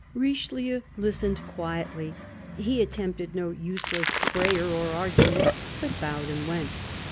Richelieu listened quietly. He attempted no useless prayer or argument, but bowed, and went.